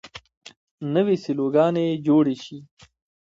نوې سیلوګانې جوړې شي.